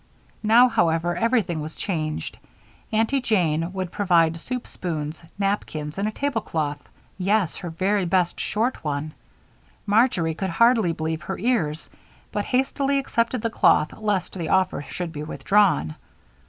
Now, however, everything was changed. Aunty Jane would provide soup spoons, napkins, and a tablecloth yes, her very best short one. Marjory could hardly believe her ears, but hastily accepted the cloth lest the offer should be withdrawn.